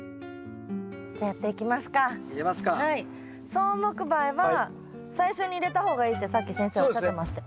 草木灰は最初に入れた方がいいってさっき先生おっしゃってました。